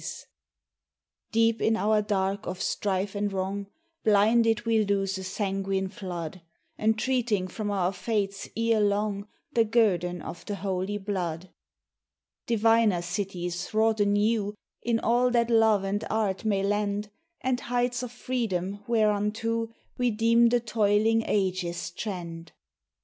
MEMORIAL DAY. Deep in our dark of strife and wrong, Blinded we loose a sanguine flood, Entreating from our Fates ere long The guerdon of the holy blood Diviner cities wrought anew In all that Love and Art may lend, And heights of freedom whereunto We deem the toiling ages trend.